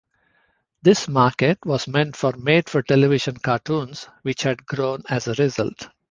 This market was meant for made-for-television cartoons which had grown as a result.